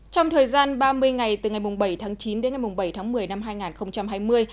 trong thời gian ba mươi ngày từ ngày bảy tháng chín đến ngày bảy tháng một mươi năm hai nghìn hai mươi